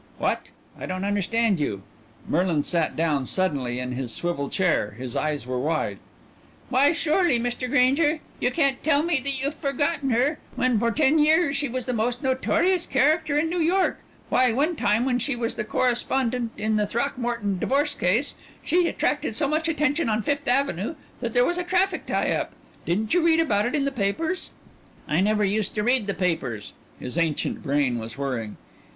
"What? I don't understand you." Merlin sat down suddenly in his swivel chair; his eyes were wide. "Why, surely, Mr. Grainger, you can't tell me that you've forgotten her, when for ten years she was the most notorious character in New York. Why, one time when she was the correspondent in the Throckmorton divorce case she attracted so much attention on Fifth Avenue that there was a traffic tie up. Didn't you read about it in the papers." "I never used to read the papers." His ancient brain was whirring.